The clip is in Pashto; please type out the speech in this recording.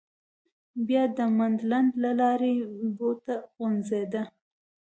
بیا د منډلنډ له لارې بو ته غځېده.